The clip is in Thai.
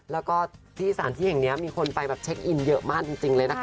แล้วก็ที่สถานที่แห่งนี้มีคนไปแบบเช็คอินเยอะมากจริงเลยนะคะ